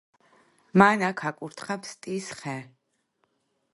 მან აქ აკურთხა ფსტის ხე.